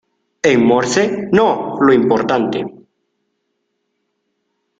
en morse? no. lo importante